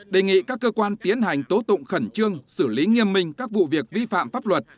đề nghị các cơ quan tiến hành tố tụng khẩn trương xử lý nghiêm minh các vụ việc vi phạm pháp luật